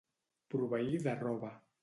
Proveir de roba.